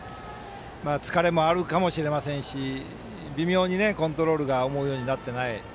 疲れもあるかもしれませんし微妙にコントロールが思うようになってない。